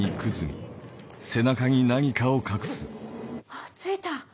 あっついた！